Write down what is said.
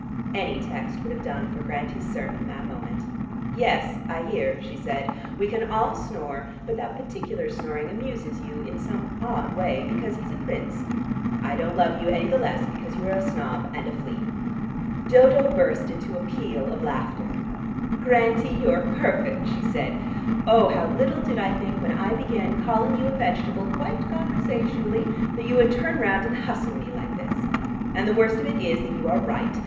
Any text would have done for Grantie's sermon that moment. "Yes, I hear," she said. "We can all snore, but that particular snoring amuses you, in some odd way, because he's a prince. I don't love you any the less because you are a snob and a flea." Dodo burst into a peal of laughter. "Grantie, you're perfect!" she said. "Oh, how little did I think when I began calling you a vegetable, quite conversationally, that you would turn round and hustle me like this. And the worst of it is that you are right.